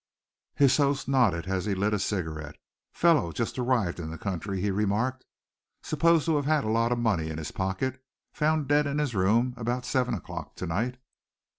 His host nodded as he lit a cigarette. "Fellow just arrived in the country," he remarked, "supposed to have had a lot of money in his pocket. Found dead in his room at about seven o'clock to night."